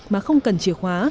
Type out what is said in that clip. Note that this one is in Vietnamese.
mà không cần chìa khóa